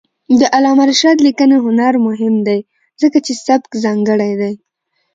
د علامه رشاد لیکنی هنر مهم دی ځکه چې سبک ځانګړی دی.